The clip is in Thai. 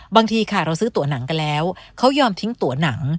บางทีค่ะเราซื้อตัวหนังกันแล้วเขายอมทิ้งตัวหนัง